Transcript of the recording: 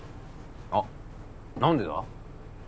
あっ何でだ？